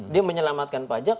dia menyelamatkan pajak